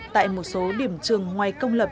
tại một số điểm trường ngoài công lập